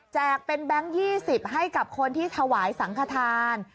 เป็นแบงค์๒๐ให้กับคนที่ถวายสังขทาน